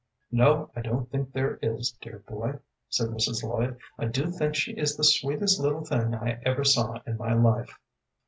"No, I don't think there is, dear boy," said Mrs. Lloyd. "I do think she is the sweetest little thing I ever saw in my life."